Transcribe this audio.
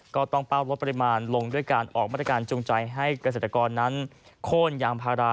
ต้องเป้าลดปริมาณลงด้วยการออกมาตรการจูงใจให้เกษตรกรนั้นโค้นยางพารา